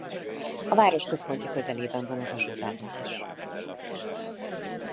A város központja közelében van a vasútállomás.